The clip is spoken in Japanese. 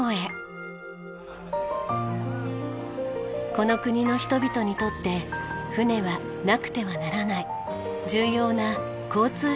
この国の人々にとって船はなくてはならない重要な交通手段の一つなのです。